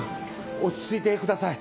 落ち着いてください。